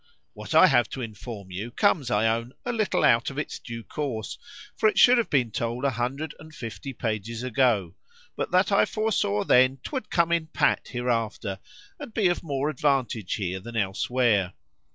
What I have to inform you, comes, I own, a little out of its due course;——for it should have been told a hundred and fifty pages ago, but that I foresaw then 'twould come in pat hereafter, and be of more advantage here than elsewhere.